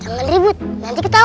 jangan ribut nanti ketahuan